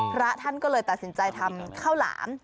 พระท่านก็เลยตัดสินใจทำข้าวหลาม